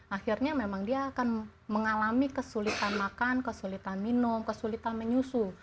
akhirnya memang dia akan mengalami kesulitan makan kesulitan minum kesulitan menyusu